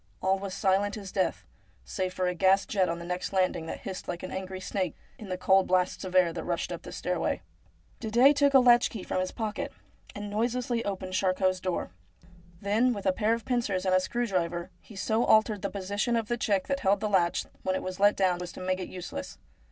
All was silent as death, save for a gas jet on the next landing that hissed like an angry snake, in the cold blasts of air that rushed up the stairway. Didet took a latch key from his pocket, and noiselessly opened Charcot's door. Then, with a pair of pincers and a screw driver, he so altered the position of the check that held the latch when it was let down as to make it useless.